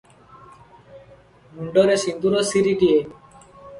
ମୁଣ୍ଡରେ ସିନ୍ଦୂର ସିରିଟିଏ